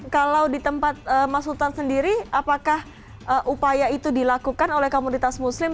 kalau di tempat mas sultan sendiri apakah upaya itu dilakukan oleh komunitas muslim